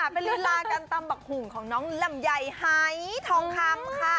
เป็นลีลาการตำบักหุ่งของน้องลำไยหายทองคำค่ะ